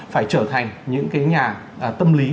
phải trở thành những cái nhà tâm lý